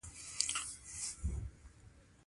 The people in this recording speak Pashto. بزګر د خوارۍ اتل دی